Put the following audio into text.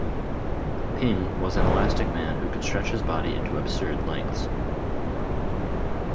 Ping was an elastic man who could stretch his body into absurd lengths.